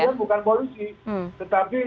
karena ternyata yang penting kemudian bukan polisi